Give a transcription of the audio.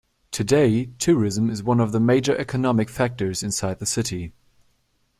Today, tourism is one of the major economic factors inside the city.